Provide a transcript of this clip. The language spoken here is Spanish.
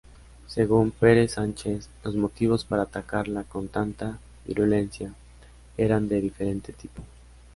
Según Pere Sánchez, "los motivos para atacarla con tanta virulencia eran de diferente tipo.